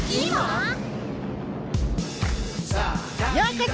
ようこそ！